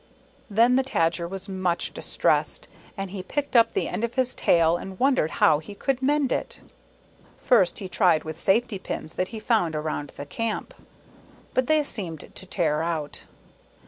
. Then the Tajer was much distressed, and he picked up the end of his tail and wondered how he could mend it. First he tried with safety pins that he found around the camp ; but they seemed to tear out.